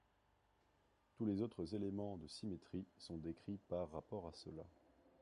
Tous les autres éléments de symétrie sont décrits par rapport à cela.